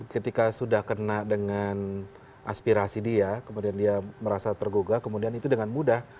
ketika sudah kena dengan aspirasi dia kemudian dia merasa tergugah kemudian itu dengan mudah